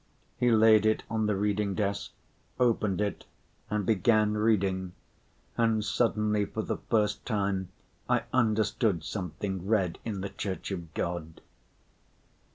He laid it on the reading desk, opened it, and began reading, and suddenly for the first time I understood something read in the church of God.